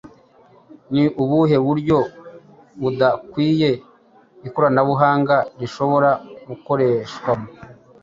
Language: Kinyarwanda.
Ni ubuhe buryo budakwiye ikoranabuhanga rishobora gukoreshwamo?